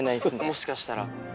もしかしたら。